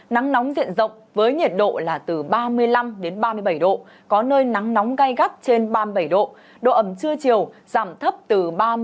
nắng nóng diện rộng với nhiệt độ là từ ba mươi năm ba mươi bảy độ có nơi nắng nóng gai gắt trên ba mươi bảy độ độ ẩm trưa chiều giảm thấp từ ba mươi năm bốn mươi năm